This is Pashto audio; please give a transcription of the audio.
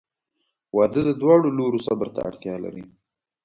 • واده د دواړو لورو صبر ته اړتیا لري.